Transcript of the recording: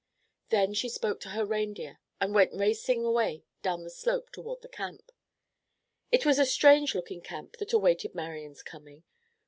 Then she spoke to her reindeer and went racing away down the slope toward the camp. It was a strange looking camp that awaited Marian's coming.